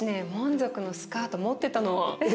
族のスカート持ってたの。え！